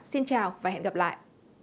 xin chào và hẹn gặp lại